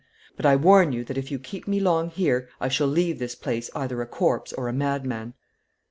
But I warn you that, if you keep me long here, I shall leave this place either a corpse or a madman."